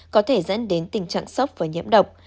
có thể dẫn đến tình trạng sốc và nhiễm độc